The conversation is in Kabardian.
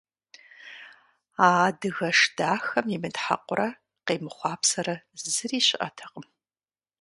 А адыгэш дахэм имытхьэкъурэ къемыхъуапсэрэ зыри щыӀэтэкъым.